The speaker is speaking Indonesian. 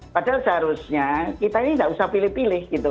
padahal seharusnya kita ini nggak usah pilih pilih gitu